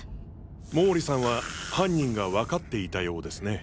毛利さんは犯人がわかっていたようですね。